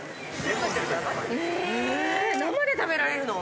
生で食べられるの？